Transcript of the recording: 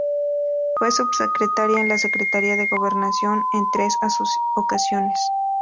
Fue subsecretaria en la Secretaría de Gobernación en tres ocasiones.